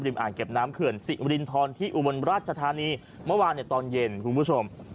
อ่างเก็บน้ำเขื่อนสิมรินทรที่อุบลราชธานีเมื่อวานในตอนเย็นคุณผู้ชม